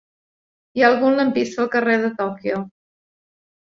Hi ha algun lampista al carrer de Tòquio?